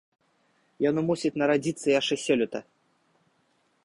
Яно мусіць нарадзіцца яшчэ сёлета.